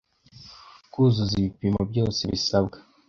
kuzuza ibipimo byose bisabwa